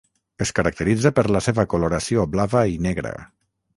Es caracteritza per la seva coloració blava i negra.